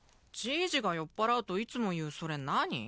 いじが酔っ払うといつも言うそれ何？